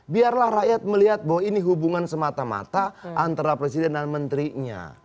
biarlah rakyat melihat bahwa ini hubungan semata mata antara presiden dan menterinya